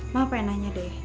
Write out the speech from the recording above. mau apain nanya deh